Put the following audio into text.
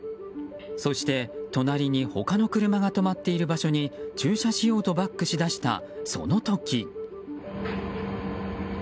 そして、隣に他の車が止まっている場所に駐車しようとバックしだした、その時。